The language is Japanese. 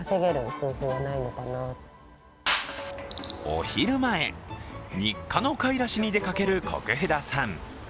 お昼前、日課の買い出しに出かける國府田さん。